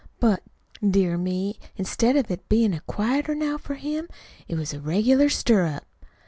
But, dear me, instead of its bein' a quieter now for him, it was a regular stirrup.